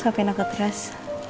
ngapain aku terus